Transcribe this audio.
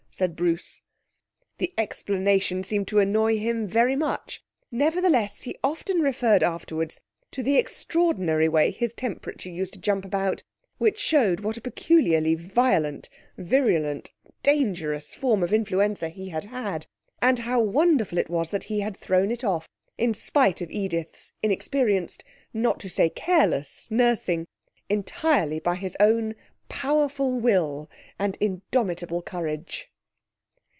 said Bruce. The explanation seemed to annoy him very much; nevertheless he often referred afterwards to the extraordinary way his temperature used to jump about, which showed what a peculiarly violent, virulent, dangerous form of influenza he had had, and how wonderful it was he had thrown it off, in spite of Edith's inexperienced, not to say careless, nursing, entirely by his own powerful will and indomitable courage.